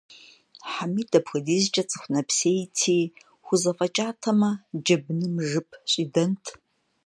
Хьэмид апхуэдизкӏэ цӏыху нэпсейти, хузэфӏэкӏатэмэ, джэбыным жып щӏидэнт.